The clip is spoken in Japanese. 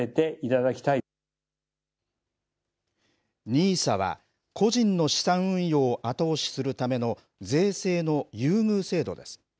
ＮＩＳＡは、個人の資産運用を後押しするための税制の優遇制度です。